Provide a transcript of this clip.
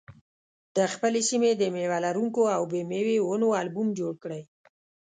د خپلې سیمې د مېوه لرونکو او بې مېوې ونو البوم جوړ کړئ.